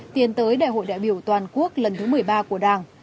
tiến tới đại hội đại biểu toàn quốc lần thứ một mươi ba của đảng